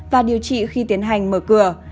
và điều trị khi tiến hành mở cửa